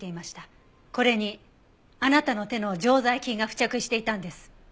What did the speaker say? これにあなたの手の常在菌が付着していたんです。